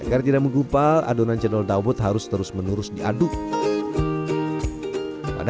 engkara tidak menggupal adonan jendol dawet harus terus menerus diaduk pada